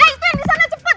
eh itu yang disana cepet